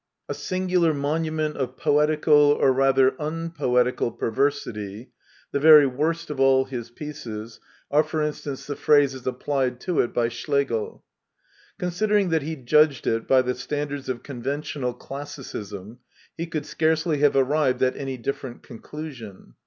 ^' A singular monument of poetical, or rather impoetical perver sity; "the very worst of all his pieces; are, for instance, the phrases applied to it bj Schlegel. Con sidering that he judged it by the standards of con ventional classicism, he could scarcely have arrived at any different conclusion.